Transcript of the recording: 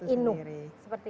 inuh itu sendiri